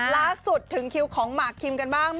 ล่าสุดถึงคิวของหมากคิมกันบ้าง